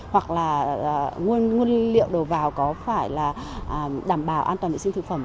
hoặc là nguồn liệu đồ vào có phải là đảm bảo an toàn vệ sinh thực phẩm